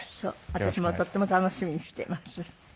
私もとっても楽しみにしています。